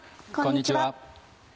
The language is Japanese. こんにちは。